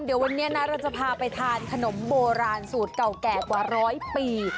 เดี๋ยววันนี้นะเราจะพาไปทานขนมโบราณสูตรเก่าแก่กว่าร้อยปี